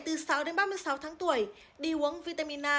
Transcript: từ sáu đến ba mươi sáu tháng tuổi đi uống vitamin a